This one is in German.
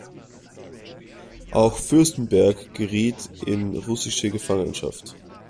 Auch Fürstenberg geriet in russische Gefangenschaft.